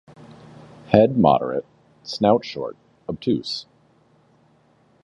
Head moderate; snout short, obtuse.